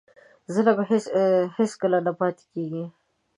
ظلم هېڅکله نه پاتې کېږي.